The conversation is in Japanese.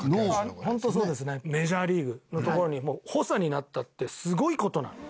本当そうですね、メジャーリーグのところにもう補佐になったって、すごいことなの。